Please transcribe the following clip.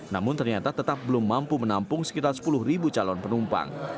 namun ternyata tetap belum mampu menampung sekitar sepuluh calon penumpang